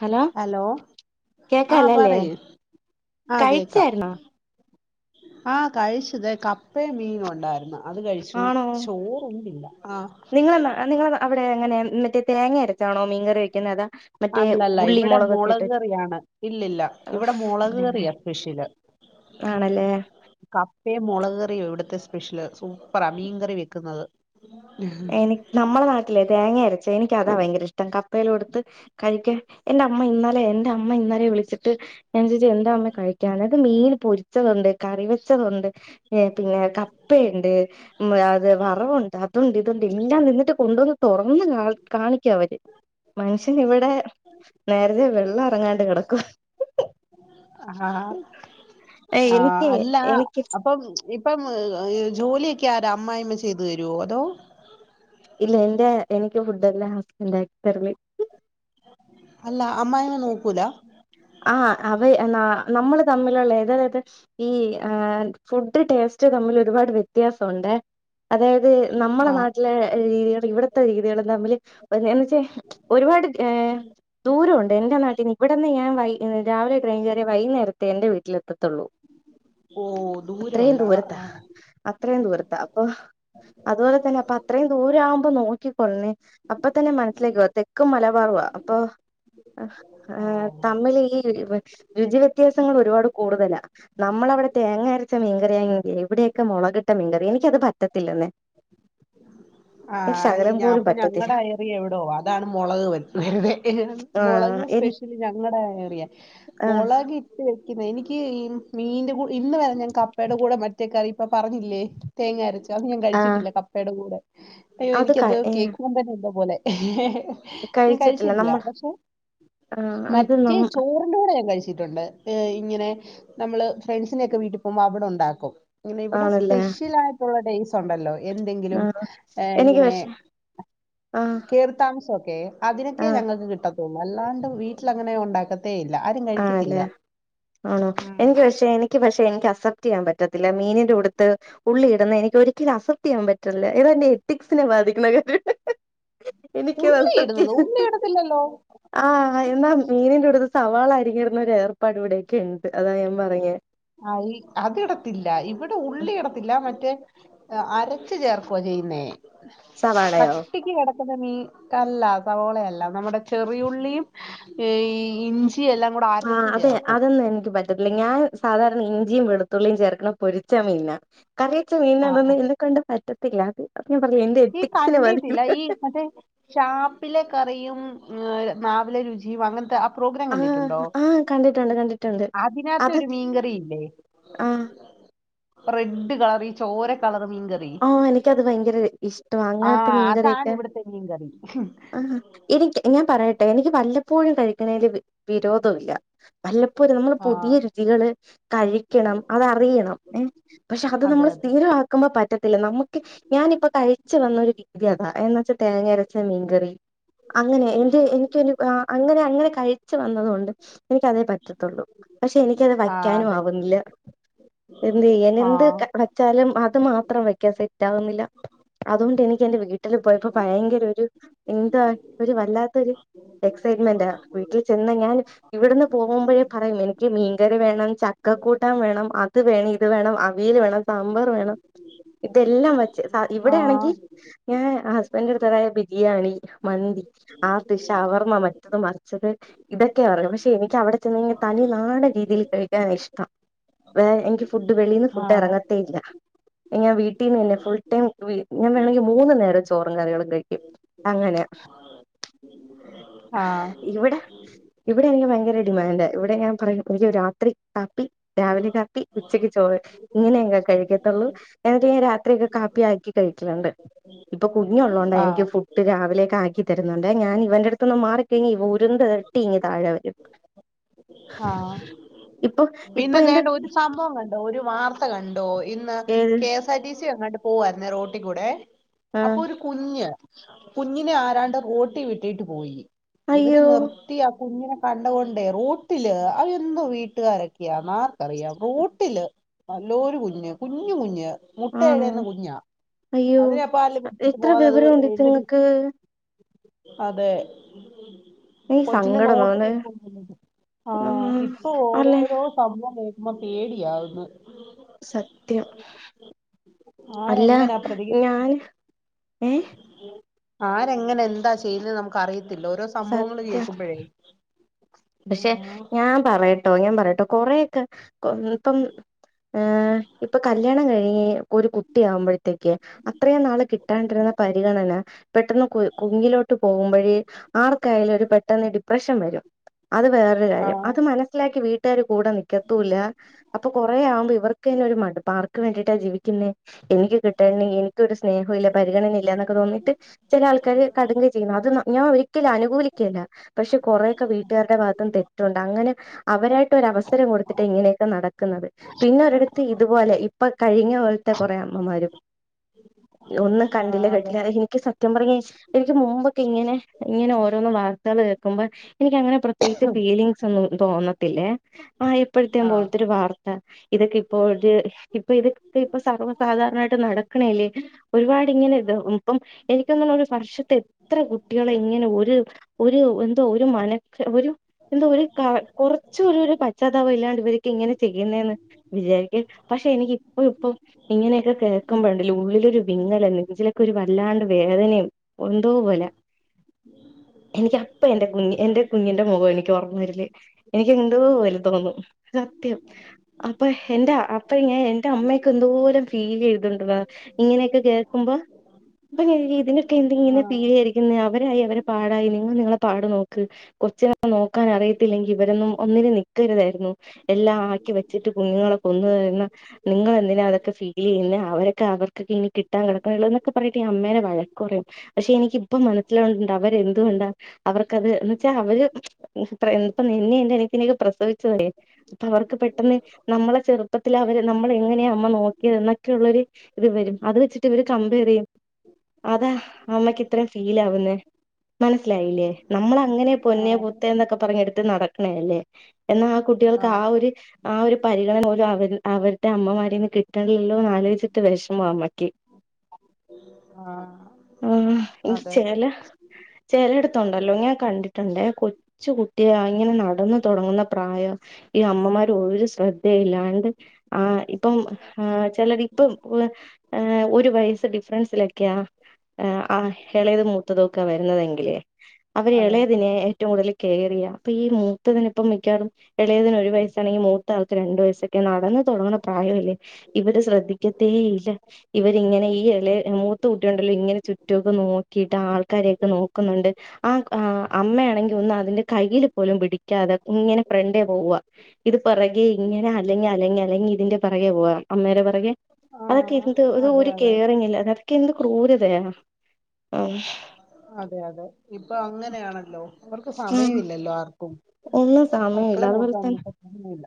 Hello ആഹ് കേക്കാലല്ലേ പറയ് കഴിച്ചായിരു ന്നോ ആ കഴിച്ചത് കപ്പയും മീന ഉണ്ടായിരുന്നു അത് കഴിച്ചു ആണോ ഷോറ ഇില്ല ആ നിങ്ങളെ നിങ്ങളെ അവിടെ എങ്ങനെ മറ്റേ തേങ്ങ അരച്ചാണോ മീൻ കറി വഴിക്കുന്നതാ അല്ലല്ല ഇവിടെ മുളക്ക കേറിയാണ് ഇല്ലല്ല ഇവിടെ മുളക് എന്റെമ്മേ കേയറിയാ സ്പെഷ്യല് ആണല്ലേ പ മുളക്കറിയോ ഇവിടത്തെ സ്പെഷ്യല് സൂപ്പറാ മീൻ കറി വെക്കുന്നത് എനി നമ്മുടെ നാട്ടിലേ തേങ്ങ എനിക്കതാ ഭയങ്കര ഇഷ്ടം കപ്പൽ കൊടുത്ത് കഴിക്കാൻ എന്റെ അമ്മ ഇന്നലെ എന്റെ അമ്മ ഇന്നലെ വിളിച്ചിട്ട് ാ എന്താമ്മ കഴിക്കാാന് ത് മീൻ പൊരിച്ചതുണ്ട് കറി വെച്ചതുണ്ട് പിന്നെ കപ്പുണ്ട് അത് വറവുണ്ട് അത ഇതുണ്ട് ഇല്ലാ നിന്നിട്ട് കൊണ്ടുവന്ന് തൊറന്ന് കാ കാണിക്കും അവര് മനുഷ്യൻ ഇവിടെ നേരത്തെ വെള്ളം എറങ്ങാണ്ട് കെടക്കുവാര്ന്ന് ആഹ് ആ എനിക്ക് അല്ല എനിക്ക് അപ്പം ഇപ്പം ജോലി ക്കാരാ അമ്മായിയമ്മ ചെയ്തു തരുവോ അതോ ഇല്ല എൻ്റെ എനിക്ക് ഫുഡ് എല്ലാം ഹസ്ബൻൻ്റാ ആക്കി തരല് അല്ല അമ്മായിനെ നോക്കൂല ആഹ് അവ ന നമ്മള് തമ്മിലുള്ള അതായത് ഈ ആ ഫുഡ് ടേസ്റ്റ് തമ്മില് ഒരുപാട് വിത്യാസം ഉണ്ടേ അതായത് നമ്മളെ ആഹ് നാട്ടിലെ രീതികള് ഇവിടെ ത്ത രീതികളും തമ്മില് ഒരേ ത്തെ ഒരുപാട് ഏ ദൂരവൊണ്ട് എന്റെ നാട്ടീന്ന് ഇവിടെന്ന് ഞാൻ വൈ രാവിലെ ട്രെയിൻ കേറിയാ വൈകുന്നേരത്തെ എന്റെ വീട്ടിൽ എത്തത്തൊള്ളൂ ഓ അത്രയും ദൂരമുണ്ട് ദൂരത്ത ആഹ് അത്രയും ദൂരത്താ അപ്പൊ അതുപോലെ തന്നെ അപ്പ അത്രയും ദൂരം ആവുമ്പോ നോക്കി ഒന്നി അപ്പത്തന്നെ മനസ്സിലാക്കിക്കോ തെക്കും മലബാറുവാ അപ്പൊ അഹ് ആ ആഹ് ആഹ് തമിളിൽ ഈ [unintelligible] രുചി വിത്യാസങ്ങൾ ഒരുപാട് കൂടുതലാ നമ്മളവിടെ തേങ്ങ അരച്ച മീൻകറിയാന്നെങ്കി ഇവിടെയൊക്കെ മൊളകിട്ട മീൻകറി എനിക്കത് പറ്റത്തില്ലന്നെ ആഹ് ഞ അപ്പൊ ഞങ്ങടെ എറിയ എവിടോ അതാണ് മുളക് [unintelligible] മുളക് ആഹ് എനി സ്പെഷ്യല് ഞങ്ങടെ ഏറിയ ആഹ് മൊളകിട്ട് എനിക്ക് ഈ മീന്റെ കൂ ഇന്ന് വരെ ഞാൻ കപ്പേടെ കൂടെ മറ്റേ കറി ഇപ്പം പറഞ്ഞില്ലേ തേങ്ങ അരച്ച അത് ഞാൻ ആഹ് കഴിച്ചിട്ടില്ല കപ്പേടെ കൂടെ അയ്യോ അത് ക എനിക്കത് ഏഹ് കേക്കുമ്പം തന്നെ എന്തോ പോലെ ഞാൻ കഴിച്ചിട്ടില്ല പക്ഷെ ആഹ് അത് മറ്റേ നം ചോറിന്റൂടെ ഞാൻ കഴിച്ചി ത്തിട്ടുണ്ട് ഇങ്ങനെ നമ്മള് ഫ്രണ്ട്സിൻ്റൊക്കെ വീട്ടി പോവുമ്പോ അവിടെ ഉണ്ടാക്കും ഇങ്ങനെ ഇവിടെ ആണല്ലേ സ്പെഷ്യൽ ആയിട്ടുള്ള ഡേയ്സ് ഒണ്ടല്ലോ എന്തെങ്കിലും ആഹ് എനിക്ക് എങ്ങനെ പക്ഷെ ആഹ് കേറി താമസം ക്കെ അതിനൊക്കെ ആഹ് ഞങ്ങൾക്ക് കിട്ടത്തുള്ളൂ അല്ലാണ്ട് വീട്ടിൽ അങ്ങനെ ഉണ്ടാ ആ അല്ലേ ആണോ എനിക്ക് പക്ഷെ എനിക്ക് പക്ഷെ എനിക്ക് അസ പ്റ്റെയ്യാൻ പറ്റത്തില്ല മീനിന്റെ ഉടുത്ത് ഉള്ളി ഇടുന്നെ എനിക്ക് ഒരിക്കലും അസെപ്റ്റ് ചെയ്യാൻ പറ്റത്തില്ല ഏതാ എന്റെ എത്തിക്സിനെ ബാധിക്കുന്ന കാര്യ എനിക്ക് ഉള്ളി അസപ്റ്റ് ഇടുന്നത് ഉള്ളി [unintelligible] ഇടത്തില്ലല്ലോ ആഹ് എന്നാ മീനിന്റെ ഉടുത്ത് സവാളായി [unintelligible] ഇടുന്ന ഒരു ഏർപ്പാട് ഇവിടെയൊക്കെ ഉണ്ട് അതാ ഞാൻ പറഞ്ഞെ ആ അതിടത്തില്ല ഇവിടെ ഉള്ളിയിടത്തില്ല മറ്റേ അരച്ച ചേർക്ക ചെയ്യുന്നേ സവാളയോ കട്ടിക്ക് കെട [unintelligible] അല്ല സവാളയല്ല നമ്മുടെ ചെറിയുള്ളിയും ഇഞ്ചി എല്ലാം കൂടെ ആ അരച്ച് അതെ ചേർക്കും അതന്നാ എനിക്ക് പ റ്റത്തില്ല ഞാൻ സാധാരണ ഇഞ്ചിയും വെളുത്തുള്ളിയും ചേർക്കണ പൊരിച്ച മീന കറിവെച്ച ആ ആ. മീന്നതോന്ന് എന്നെ കൊണ്ട് പറ്റ പില്ല അത് ഞാൻ പറഞ്ഞില്ലേ എന്റെ ഈ എത്തിക്സിനെ ബാധിക്കും കണ്ടിട്ടില്ല ഈ മറ്റേ ഷാപ്പിലെ കറിയും നാവിലെ രുചിയും അങ്ങനത്തെ പ്രോഗ്രാം ആ കണ്ടിട്ടുണ്ടോ ആഹ കണ്ടിട്ടുണ്ട് കണ്ടിട്ടുണ്ട് അതിനകത്ത് അത ഒരു മീൻകറി ഇല്ലേ ആഹ റെഡ് കളർ ഈ ചോര കളർ മീ ആഹ എനിക്കത് ഭയങ്കര ഇഷ്ടവാ ആ അങ്ങനത്തെ അതാണ് മീൻകറിയൊക്കെ ഇവിടുത്തെ മീൻകറി ആ എനിക്ക് ഞാൻ പറയ ട്ടെ എനിക്ക് വല്ലപ്പോഴും കഴിക്കണെൽ വിരോധമില്ല വല്ലപ്പോലും നമ്മള് ആ പുതിയ രുചികള് കഴിക്കണം അതറിയണം ഏ പക്ഷെ അത് അതെ നമ്മൾ അതെ സ്ഥിരമാക്കുമ്പോ പറ്റ നമക്ക് ഞാനിപ്പ കഴിച്ചു വന്ന ഒരു രീതി അതാ എന്ന വച്ചാൽ തേങ്ങ അരച്ച മീൻകറി അങ്ങനെ എന്റെ എനിക്കൊ അങ്ങനെ അങ്ങനെ കഴിച്ചു വന്നത കൊണ്ട് എനിക്കതേ പറ്റത്തുള്ളൂ പക്ഷെ എനിക്കത് ആ വയ്ക്കാനും അതെ ആവുന്നില്ല എന്തെയ്യാൻ ആ എന്ത് വെച്ചാലും മ ത മാ ത്രം വെക്കാൻ സെറ്റ് ആവുന്നില്ല അതുകൊണ്ട് എനിക്ക് എന്റെ വീട്ടില് പോയപ്പോ ഭയങ്കര ഒരു എന്താ ഒരു വല്ലാത്തൊ ഒരു എക്സൈറ്റ്മെന്റ് വീട്ടിൽ ചെന്ന ഞൻ ഇവിടുന്ന് പോകുമ്പോഴേ പറയും എനിക്ക് മീൻകറി വേണം ചക്കക്കൂട്ടൻ വേണം അത് വേണം ഇത് വേണം അവിയൽ വേണം സാമ്പാർ വേണം ഇതല്ലാം വച്ച ആ ഇവിടെയാണെങ്കി ഞാൻ ഹസ്ബൻഡ് അടുത്തതായ ബിരിയാണി മന്തി ആർത് ഷവർമ്മ മറ്റത് മറിച്ചത് ഇതൊക്കെയാ പറയായും പക്ഷെ എനിക്ക് അവിടെ ചെന്ന തനി നാട രീതിയിൽ കഴിക്കാനാ ഇഷ്ടം വേ എങ്കി ഫുഡ് വെളിൽന്ന് ആ ഫുഡ് ഇറങ്ങത്തേ ഇല്ല ഞാൻ വീട്ടീന്ന് തന്നെ ഫുൾ ടൈം ഞാൻ വേണെങ്കിൽ മൂന്നു നേരം ചോറ കറികൾ കഴിക്കും അങ്ങനെയ ആഹ ഇവിടെ എനിക്ക് ഭയങ്കര ഡിമാൻഡ ഇവിടെ ഞാൻ പറയു എനിക്ക് രാത്രി കാപ്പി രാവിലെ കാപ്പി ഉച്ചക്ക് ചോറ് ഇങ്ങനെങ്ങാ കഴിക്കത്തുള്ളൂ എന്നിട്ട് ഞാൻ രാത്രിയോക്കെ കാപ്പി ആക്കി കഴിക്കല് ണ്ട് ഇപ്പോ കുഞ്ഞുള്ളോണ്ട ആ എനിക്ക് ഫുഡ് രാവിലെ ആക്കി തരുന്നുണ്ടെ ഞാൻ ഇവന്റെ അടുത്തൊന്ന് മാറിക്കഴിഞ്ഞ ഇവൻ ഉരുന്ത്‌ ഇരട്ടി ഇനി താഴെ വരും ആഹ ഇപ്പൊ ഇപ്പൊ പിന്നെ േ എന്റെ ദണ്ട്ദഒരു സംഭവം വേന്ന ഒരു വാർത്ത കണ്ട [unintelligible] ഇന്ന് ഏത് കെ എസ് ആർടി സി എങ്ങാണ്ട് പോ പോവായിരുന്നേ റോട്ടി കൂടെ ആ അപ്പൊ ഒരു കുഞ്ഞ് കുഞ്ഞിനെ ആരാണ്ട് റോട്ടി വിട്ടിട്ട് പോയി ഇവര് അയ്യോ നിർത്തിയാ കുഞ്ഞിനെ കണ്ട്കൊണ്ടേ റോട്ട് ട്ടില് അ എന്നോ വീട്ടുകാരൊക്ക്യാന്നാർക്കറിയാം റൂട്ടില് നല്ലോരു കുഞ്ഞ് കുഞ്ഞ് കുഞ്ഞ് മുട്ട ആണോ എഴന്ന കുഞ്ഞാ അയ്യോ അതിനെപ്പ എത്ര വിവരമുണ്ട് [unintelligible] ഇതുങ്ങക്ക് അതെ എനിക്ക് കൊച്ചിന്റെ നോട്ട [unintelligible] ആഹ അല്ലേ മ്മ പേടിയാവന്ന് സത്യം അല്ല ആരെങ്ങനാ പ്രതികരി ഞാൻ ഏഹ് ആരെ ങ്ങനെ എന്താ ചെയ്യുന്നത് നമുക്ക് അറിയ ത്തില്ല ഓരോ സംഭവങ്ങള് സത്യം കേൾക്കുമ്പഴേ പക്ഷെ ഞാൻ പറയട് ട്ടോ ഞാൻ പറയാട്ടോ കൊറെയൊക്കെ ഇപ്പം ഹ് ഇപ്പൊ കല്യാണം കഴിഞ്ഞ് ഒരു കുട്ടിയാകുമ്പഴത്തേക്ക് അത്രയും നാള് കിട്ടാണ്ട് ര്ന്ന പരിഗണന പെട്ടെന്ന് കുഞ്ഞിലോട്ട് പോകുമ്പഴേ ആർക്കായാലും ഒരു പെട്ടെന്ന് ഡി പ്രശം വരും അത് വേറൊരു കാര്യം ആഹ് അത് മനസ്സിലാക്കി വീ ട്ടര് കൂടെ നിക്കത്തൂല്ല അപ്പൊ കൊറ ആവുമ്പോ ഇവർക്ക്ന്നെ ഒരു മടുപ്പ ആർക്ക് വേണ്ടിയിട്ടാ ജീവിക്കുന്നേ എനിക്ക് കിട്ടേണ്ടി എനിക്കൊരു സ്നേഹുല്ല പരിഗണന ഇല്ല എന്നൊക്കെ തോന്നി ട്ട് ചെല ആള് [unintelligible] കടുംകൈ ചെയ്യുന്ന അത് ഞാ ഒരി ക്കലും അനുകൂലിക്കല്ല പക്ഷെ കുറെക്കെ വെ കുട്ടുകാരുടെ ഭാഗത്തും തെറ്റുണ്ട് അങ്ങനെ അവരായിട്ടൊവസരം കൊടുത്തിട്ട് ഇങ്ങനെയൊക്കെ നടക്കുന്നത് പിന്നെ ഒരുത്തി ഇത് പോലെ ഇപ്പ കഴിഞ്ഞ പോലെത്തെ കുറെ അമ്മമാരും ഒന്ന് ആഹ് കണ്ടില്ലാ അതെ കേട്ടില്ലാ എനിക്ക് സത്യം പറഞ്ഞ എനിക്ക് മുമ്പൊക്കെ ഇങ്ങനെ ഇങ്ങനെ ഒരോന്ന് വാർത്തള് കേൾക്കുമ്പ എനിക്കങ്ങനെ പ്രത്യേകിച്ച് ഫീലിങ്സ് ഒന്നും തോന്നത്തില്ലേ ആ ഇപ്പോഴത്തേ ആഹ് പോലത്തെൊരു വാർത്ത ഇതൊക്കെ പ്പൊര് ഇപ്പ ഇതൊക്കെ ഇപ്പ സർവ്വസാധാരണായിട്ട് നടക്കണല്ലേ ഒരുപാട് ഇങ്ങനെ ഇ ഇപ്പം എനിക്കൊന്ന ഒരു വർഷത്തെ എത്ര കുട്ടികളെ ഇങ്ങനെ ഒരു ഒരുഎന്തോ ഒരു മന ഒരു എന്താ ഒരു ക കുറച്ച ഒരു ഒരു പശ്ചാത്താാവം ഇല്ലാണ്ട് ഇവർക്ക് ഇങ്ങനെ ചെയ്യുന്നെന്ന് വിചാരിക്ക പക്ഷെ എനിക്ക് ഇപ്പോ ഇപ്പോ ഇങ്ങനെയൊക്കെ കേ ക്കുമ്പോ ഉള്ളിലൊരു വിങ്ങല നെഞ്ചിലൊക്കെ ഒരു വല്ലാണ്ട് വേദനയും എന്തോ പോലെ എനിക്ക് അപ്പ എന്റെ കുഞ്ഞ് എന്റെ കുഞ്ഞിന്റെ മുഖം എനിക്ക് ഓർമ്മ വരല് എനിക്ക് എന്തോ പോലെ തോന്നും സത്യം അപ്പോ എന്റെ അപ്പ ഞാൻ എന്റെ അമ്മയൊക്കൊ എന്തോരം ഫീൽ ചെയ്തുണ്ട് ടാ ഇങ്ങനെയൊക്കെ കേൾക്കുമ്പ [unintelligible] ഇതിനാ എന്ത് ഇങ്ങനെ ആഹ് [unintelligible] അവരായി അവരെ പാടായി നിങ്ങള് നിങ്ങളെ പാടു നോക്ക് കൊച്ചിനെ നോക്കാൻ അറിയത്തില്ലെങ്കി ഇവരൊന്നും ഒന്നിനും നിക്കരുതായിരുന്നു എല്ലാം ആക്കി വെച്ചിട്ട് കുഞ്ഞുങ്ങളെ കൊന്നുതിന്ന നിങ്ങളെന്തിനാ അതൊക്കെ ഫീൽ ചെയ്യുന്നേ അവരൊക്കെ അവർക്കൊക്കെ ഇനി കിട്ടാൻ കിടക്ക്ന്നേ ഒള്ള് എന്നൊക്കെ പറയട്ട് അമ്മേനെ വഴക്ക് പറയും പക്ഷെ എനിക്കിപ്പ മനസിലാവ്ണ്ട് അവരെ എന്തുകൊണ്ടാ അവർക്കത് അപ്പഴ്ത്തേക്ക് [unintelligible] നിന്നെ എന്റനിയത്തിനെ ഒക്കെ പ്രസവിച്ചതല്ലേ അപ്പോ അവർക്ക് പെട്ടെന്ന് നമ്മളെ ചെറുപ്പത്തിൽ അവര് നമ്മളെ എങ്ങനെയാണ് അമ്മ നോക്കിയത് എന്നൊക്കെ ഉള്ളൊരു ഇത്‌ വെരും അത് വെച്ചിട്ട് ഇവര് കംമ്പയർ ചെയ്യും അതാ അമ്മക്ക് ഇത്രേം ഫീൽ ആവുന്നേ മനസ്സിലായില്ലേ നമ്മ പൊന്നെ ആഹ് പുത്ത എന്നൊക്കെ പറഞ്ഞെടുത്ത് നട ക്ക്ണല്ലേ എന്നാൽ ആ കുട്ടികൾക്ക് ആ ആഹ് ഒരു ആ ഒരു പരിഗണന പോലും അവര് അവർ റ്റേ അമ്മമാരിന്ന് കിട്ടണില്ലോ എന്ന് ആലോചിട്ട് വിഷമമാ അമ്മക്ക് ആഹ് ആഹ് ഇനി അതെ ചെല ചെലടുത്തുണ്ടല്ലോ ഞാൻ കണ്ടി എന്റെ കൊച്ചു കു ട്ടിയ ഇങ്ങനെ നടന്ന തുടങ്ങുന്ന പ്രായം ഈ അമ്മമാര് ഒരു ശ്രദ്ധയിലാ ന്ത് ആ ഇപ്പം ആഹ് ചെലര് ഇപ്പം ആഹ് ഒരു വയസ്സ് ഡിഫറൻസില ക്ക്യ ആ ആഹ് എളയത് മൂത്തതൊക്കെ വരുന്നതെങ്കിലേ അവര് എള അതെ ഏറ്റോം കൂടുതൽ കെയർ ചെയ്യ അപ്പോ ഈ മൂത്തത്തിന് ഇപ്പം മിക്കവാറും എളയതിന് ഒരു വയസാണെങ്കി മൂത്തആൾക്ക് രണ്ടു വയസ്സൊക്കെ നടന്ന് തുടങ്ങണ പ്രായമല്ലേ ഇവര് ശ്രദ്ധിക്കത്തേ ഇല്ല ഇവരിങ്ങനെ ഈ എളേ മൂത്ത കൂട്ടിയൊണ്ടല്ലോ ഇങ്ങനെ ചുറ്റുമക്കെ നോക്കിയിട്ട് ആൾക്കാരെയൊക്കെ നോക്കുന്നോണ്ട് ആഹ് ആഹ് അമ്മയാണെങ്കി ഒന്നും അതിന്റെ കയ്യില് പോലും പിടിക്കാതെ ഇങ്ങനെ ഫ്രണ്ടേ പോവാ ഇത് പിറകെ ഇങ്ങനെ അല്ലെങ്കി അ അല്ലെങ്കി അല്ലെങ്കിൽ ഇതിന്റെ പെറകെ പോവാം അമ്മേടെ പെറകെ അതൊക്കെ ആഹ് എന്ത് ഇത് അതെ ഒരു അതെ കെയറിങ് ഇല്ല അ ഇതൊക്ക എന്ത് ക്രൂരതയാ ആഹ് അതെ അതെ ഇപ്പൊ അങ്ങനെയാണല്ലോ അവർക്ക് സമയമില്ലല്ലോ ആർ ക്കും ഒന്നും സമയമില്ല മക്കളെ അതുപോലെ നോക്കാനൊന്നും തന്നെ ഇപ്പോ സമയില്ല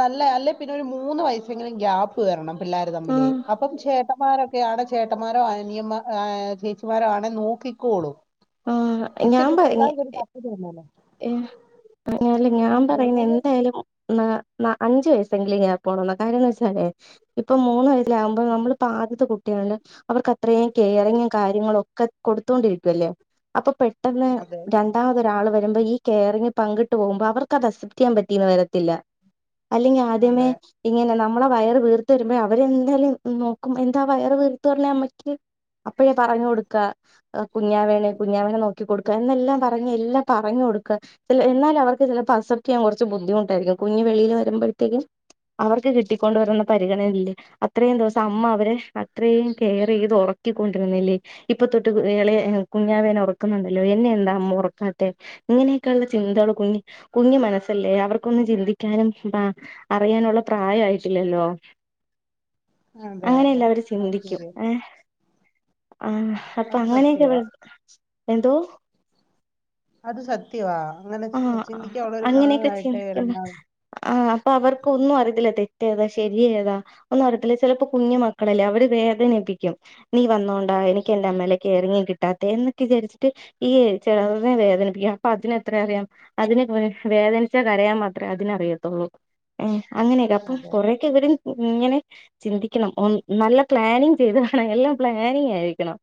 നല്ല അല്ലെ പിന്നെ ഒരു മൂന്ന് വയസെങ്കിലും ഗ്യാപ്പ് വരണം പിള്ളേർ തമ്മിലേ ആഹ് അപ്പം ചേട്ടാ ന്മാരൊക്കെയാണ് ചേട്ടന്മാരോ അനിയമ്മ ആഹ് ചേച്ചി മാരോ ആണെ നോക്കിക്കോളും ആഹ് ഞാൻ ഇച്ചിരി പറഞ്ഞ് പിള്ളേർക്കൊരു പക്വത വന്നാലാ ഏഹ് ഐ അല്ല ഞാൻ പറയുന്നെ മൂന്ന് എന്തായാലും ആ ആ അഞ്ചു വയസെങ്കില ഇങ്ങനെ പോണം കാര്യന്ന് വെച്ചേ ഇപ്പൊ മൂന്ന് വയസൽാവകുമ്പോ നമ്മള് പാ കുട്ടികണ്ട് അവർക്ക് അത്രയും കെയറിങ്ങും കാര്യങ്ങളും ഒക്കെ കൊടുത്തോണ്ടിരിക്കുവല്ലേ അപ്പൊ പെട്ട അതെ രണ്ടാമതൊരാൾ വ ഈ കെയറിങ് പങ്കിട്ട് പോകുമ്പോൾ അവർക്ക് അത് അക്സെപ്റ്റ് ചെയ്യാൻ പറ്റീന്ന് വരത്തില്ല അല്ലെങ്കിൽ ആദ്യമേ അതെ ഇങ്ങനെ നമ്മ നമ്മളെ വയറ് വീർത്ത വരുമ്പോൾ അവരെന്തായാലും നോക്കും എന്താ വയർ വീർത്തു വരുന്നേ അമ്മയ്ക്ക് അപ്പഴേ പറഞ്ഞു കൊടുക്കുക കുഞ്ഞാവേന കുഞ്ഞാവേനെ നോക്കിക്ക കൊടുക്കുക എന്നെല്ലാം പറഞ്ഞഞ് എല്ല പറഞ്ഞ കൊടുക്കുക എന്നാൽ അവർക്ക് ചിലപ്പോ അക്സെപ്റ്റ് ചെയ്യാൻ കുറച്ച് ബുദ്ധിമുട്ടായിരിക്കും കുഞ്ഞഞ് വെളിയിൽ വരുമ്പോഴത്തേക്കും അവർക്ക് കിട്ടിക്കൊണ്ട് വരുന്ന പരിഗണനയില്ലേ അത്രയും ദിവസം അമ്മ അവരെ അത്രയും കെയർ ചെയ്ത് ഉറക്കിക്കൊണ്ടിരുന്നില്ലേ ഇപ്പൊ തൊട്ട് ഇളെ കുഞ്ഞാവേന ഉറക്കുന്നുണ്ടല്ലോ എന്നെ എന്താ അമ്മ ഉറക്കാ മെ ഇങ്ങനെയൊക്കെയ ഉള്ള ചിന്തകള് കുഞ്ഞി കുഞ്ഞി മനസ്സല്ലേ അവർക്കൊന്നും ചിന്തിക്കാനും അറിയാനുള്ള പ്രായയിട്ടില്ലല്ലോ അതെ അതെ അങ്ങനെയല്ല അവര് അത് ചിന്തിക്കും ശരിയാ ഏ ആ അപ്പൊ അത് അങ്ങനെയൊക്കെ ഇടെ സത്യവാ എന്തോ അത് സത്യവാ അങ്ങനെ ആ ചി- ചിന്തിക്കാനുള്ള ഒരു അങ്ങനെയൊക്കെ പ്രായമായിട്ടേ ചിന്തിക്കുമ്പോ രണ്ടാമ ആ അപ്പൊ അവർക്ക് ഒന്നും അറിതില്ല തെ റ്റേതാ ശരിയഏതാ ഒന്നും പറരത്തില്ല ചിലപ്പോ കുഞ്ഞു മക്കളല്ലേ അവര് വേദനിപ്പിക്കും നീ വന്നോൊണ്ടാ എനിക്ക് എൻന്റെറെ അമ്മയുടെ കെയറിങ് കിട്ടാത്ത എന്നക്കെ വിചാരിച്ചിട്ട് ഈ ചെറുതിനെ വേദനിപ്പിക്കും അപ്പൊ അതിന അതിനെന്തറിയാം അതിന് വേദനിച്ചാൽ കരയാൻ മാത്രമേ അതിനറിയത്തുള്ളൂ അങ്ങനെയൊക്കെ അപ്പം അതെ കൊറൊക്കെ ഇവര് ഇങ്ങനെ ചിന്തിക്കണം നല്ല പ്ലാനിങ് ചെയ്ത് വേണം എല്ലാം പ്ലാനിങ് ആയിരിക്കണം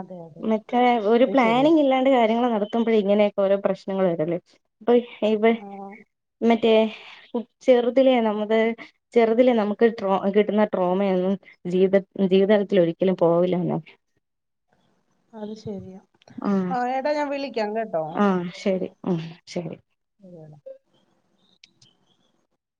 അതെ അതെ മറ്റേ ഒരു അത് ശരിയാ പ്ലാനിങ് ഇല്ലാണ്ട് കാര്യങ്ങൾ നടത്ത വളർത്തുമ്പോൾ ഇങ്ങനെയൊക്ക ഓരോ പ്രശ്നങ്ങളും വരല്ലേ [unintelligible] ആ മറ്റേ ഉ ചെറുതിലേ നമ്മത് ചെറുതിലേ നമുക്ക് ട്രോ കിട്ടുന്ന ട്രോമയൊന്നും ജീത ജീവിതലത്തി ഒരിക്കലും പോവില്ലന്നോ അത് ശെരിയാ ആ എടാ ഞാൻ വിള ആഹ ശരി ആ ശരി ശരിയെടാ